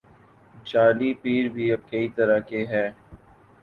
جعلی پیر بھی اب کئی طرح کے ہیں۔